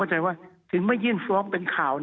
ให้มาที่สุดนะ